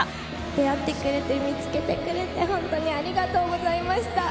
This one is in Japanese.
出会ってくれて、見つけてくれて、本当にありがとうございました。